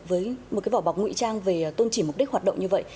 với một cái vỏ bọc ngụy trang về tôn chỉ mục đích hoạt động như vậy